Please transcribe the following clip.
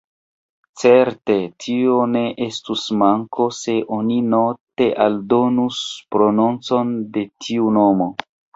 Certe, tio ne estus manko, se oni note aldonus prononcon de ĉiu nomo.